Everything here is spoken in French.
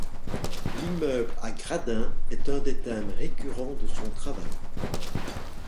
L'immeuble à Gradin est un des thèmes récurrents de son travail.